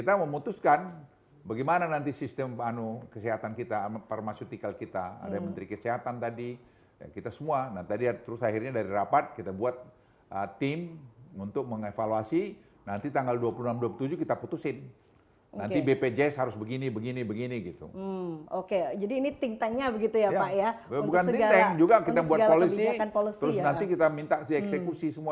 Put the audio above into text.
terus nanti kita minta di eksekusi semua